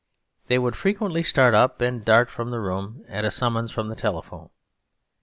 They would frequently start up and dart from the room at a summons from the telephone.